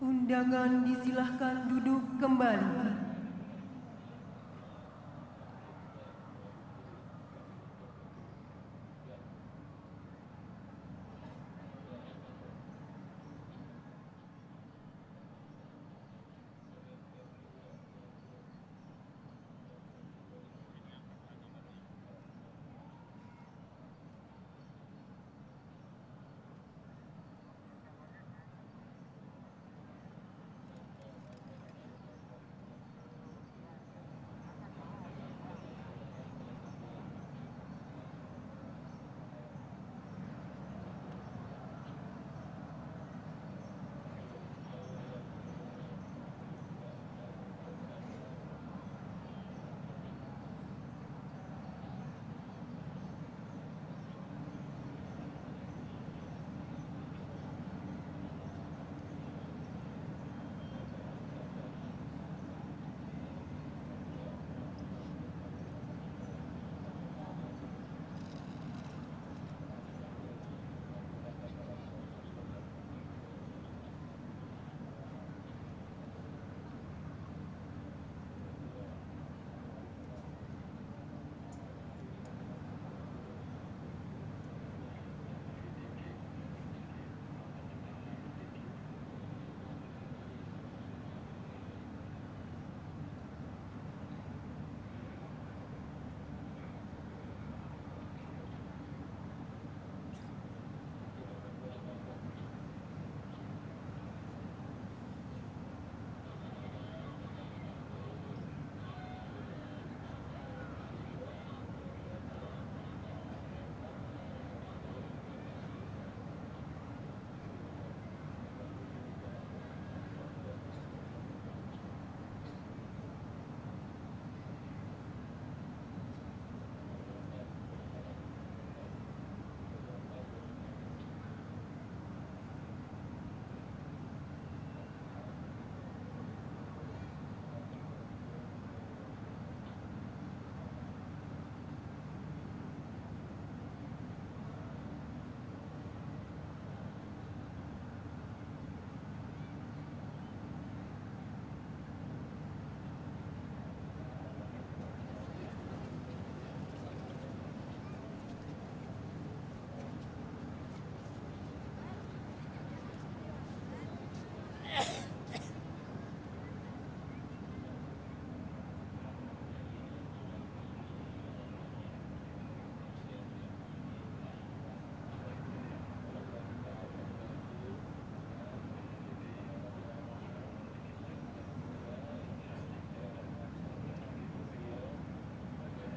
undangan disilahkan duduk kembali